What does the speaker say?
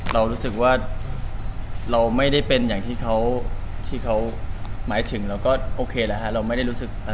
เรารู้สึกว่าเราไม่ได้เป็นอย่างที่เขาหมายถึงแล้วก็โอเคแหละฮะเราไม่ได้รู้สึกอะไรเลย